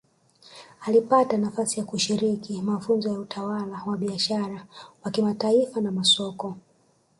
Alipata nafasi ya kushiriki mafunzo ya utawala wa biashara wa kimataifa na masoko